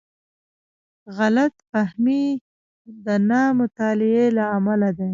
غلط فهمۍ د نه مطالعې له امله دي.